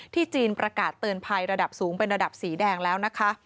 จีนประกาศเตือนภัยระดับสูงเป็นระดับสีแดงแล้วนะคะ